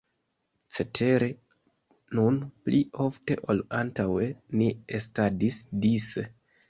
Cetere, nun pli ofte ol antaŭe ni estadis dise.